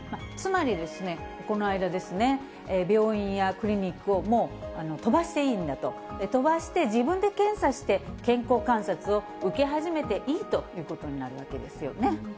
つまりですね、ここの間ですね、病院やクリニックをもう飛ばしていいんだと、飛ばして自分で検査して、健康観察を受け始めていいということになるわけですよね。